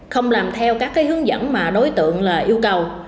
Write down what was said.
không làm theo các hướng dẫn mà đối tượng yêu cầu